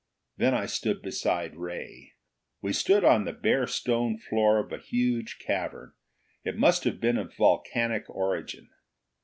Then I stood beside Ray. We stood on the bare stone floor of a huge cavern. It must have been of volcanic origin.